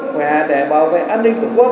khỏe để bảo vệ an ninh tổ quốc